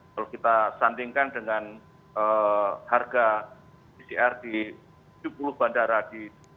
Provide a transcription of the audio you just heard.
kalau kita sandingkan dengan harga pcr di tujuh puluh bandara